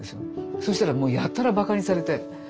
そしたらもうやたらバカにされて。